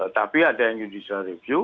tapi ada yang judicial review